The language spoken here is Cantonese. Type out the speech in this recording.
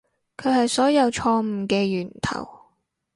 佢係所有錯誤嘅源頭